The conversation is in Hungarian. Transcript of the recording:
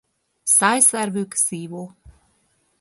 Szájszervük szívó.